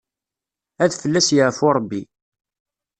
Ad fell-as yeɛfu Ṛebbi.